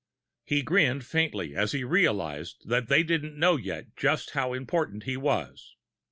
He grinned faintly, as he realized that they didn't know yet just how important he was.